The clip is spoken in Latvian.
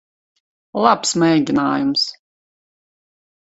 Labs mēģinājums.